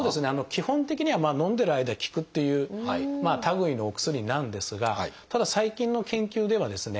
基本的にはのんでる間効くっていう類いのお薬なんですがただ最近の研究ではですね